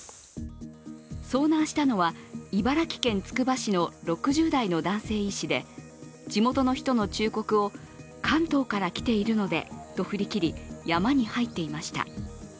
遭難したのは茨城県つくば市の６０代の男性医師で、地元の人の忠告を関東から来ているのでと振り切り山に入っていました。